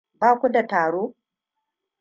Ba ku da taro?